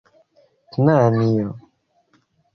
Knanjo...